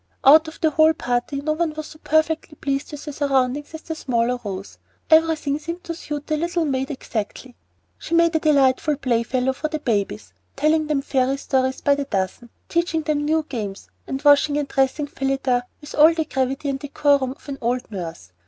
Out of the whole party no one was so perfectly pleased with her surroundings as the smaller Rose. Everything seemed to suit the little maid exactly. She made a delightful playfellow for the babies, telling them fairy stories by the dozen, and teaching them new games, and washing and dressing Phillida with all the gravity and decorum of an old nurse.